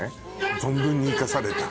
存分に生かされた。